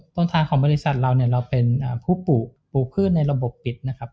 ต้นทางของบริษัทเราเนี่ยเราเป็นผู้ปลูกพืชในระบบปิดนะครับ